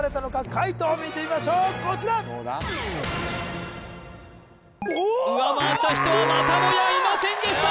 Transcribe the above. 解答を見てみましょうこちら上回った人はまたもやいませんでした！